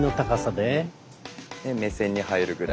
で目線に入るぐらい。